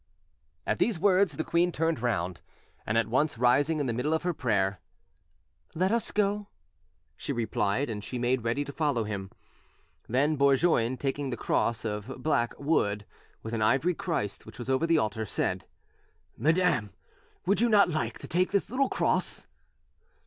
At these words the queen turned round, and at once rising in the middle of her prayer, "Let us go," she replied, and she made ready to follow him; then Bourgoin, taking the cross of black wood with an ivory Christ which was over the altar, said— "Madam, would you not like to take this little cross?"